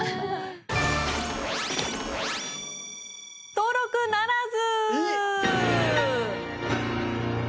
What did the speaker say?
登録ならず！